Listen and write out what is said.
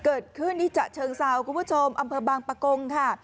เกิดขึ้นที่ฉะเชิงเซาคุณผู้ชมอำเภอบางปะกงค่ะ